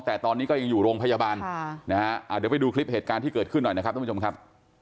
แต่ตอนนี้ก็ยังอยู่โรงพยาบาลนะฮะเดี๋ยวไปดูคลิปเหตุการณ์ที่เกิดขึ้นหน่อยนะครับท่านผู้ชมครับ